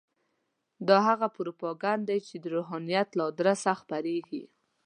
دا هغه پروپاګند دی چې د روحانیت له ادرسه خپرېږي.